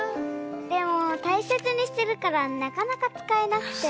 でもたいせつにしてるからなかなかつかえなくて。